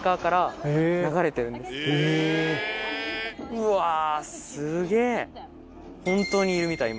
うわすげぇ！